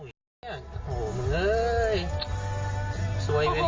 โอ้ยเอ้าอย่างนี้โอ้ยสวยเว้ยอีก